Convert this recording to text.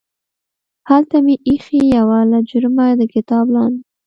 هلته مې ایښې یوه لجرمه د کتاب لاندې